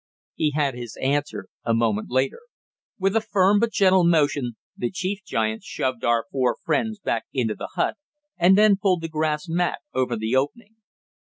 He had his answer a moment later. With a firm but gentle motion the chief giant shoved our four friends back into the hut, and then pulled the grass mat over the opening.